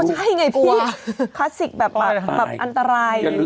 อันนี้สิไงพี่คลาสสิกแบบอันตราย